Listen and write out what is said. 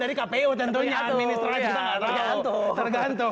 dari kpu tentunya administrasi itu